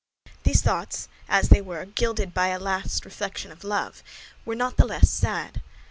These thoughts, gilded as they were by a last reflection of love, were not the less sad.